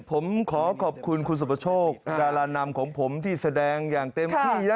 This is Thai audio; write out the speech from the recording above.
ผมขอขอบคุณคุณสุประโชคดารานำของผมที่แสดงอย่างเต็มที่แล้ว